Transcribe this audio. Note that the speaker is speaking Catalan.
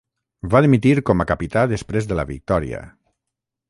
Va dimitir com a capità després de la victòria.